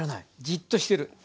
じっとしてる。